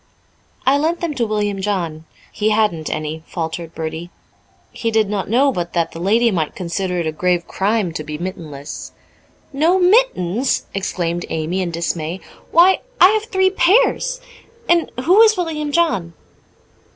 "I lent them to William John he hadn't any," faltered Bertie. He did not know but that the lady might consider it a grave crime to be mittenless. "No mittens!" exclaimed Amy in dismay. "Why, I have three pairs. And who is William John?"